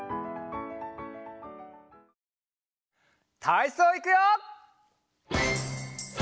たいそういくよ！